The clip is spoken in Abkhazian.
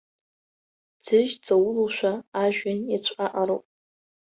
Ӡыжь ҵаулоушәа ажәҩан иаҵәҟаҟароуп.